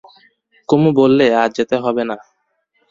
কুমু বললে, আজ যেতে হবে না।